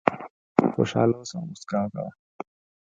خوشاله اوسه او موسکا کوه .